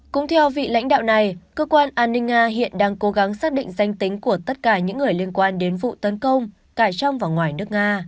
cũng theo vị lãnh đạo này cơ quan an ninh nga hiện đang cố gắng xác định danh tính của tất cả những người liên quan đến vụ tấn công cả trong và ngoài nước nga